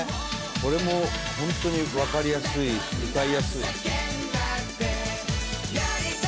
これも本当にわかりやすい歌いやすい。